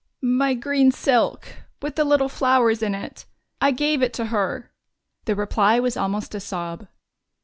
"My green silk with little flowers in it. I gave it to her." The reply was almost a sob.